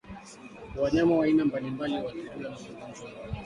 Wanyama wa aina mbalimbali huathiriwa na magonjwa ya ngozi